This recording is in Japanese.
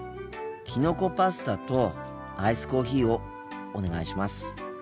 きのこパスタとアイスコーヒーをお願いします。